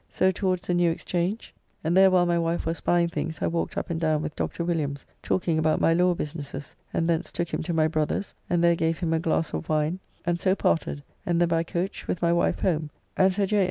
So towards the New Exchange, and there while my wife was buying things I walked up and down with Dr. Williams, talking about my law businesses, and thence took him to my brother's, and there gave him a glass of wine, and so parted, and then by coach with my wife home, and Sir J.